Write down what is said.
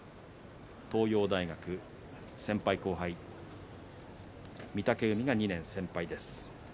東洋大学の先輩後輩御嶽海が２年先輩です。